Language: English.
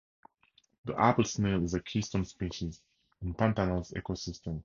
The apple snail is a keystone species in Pantanal's ecosystem.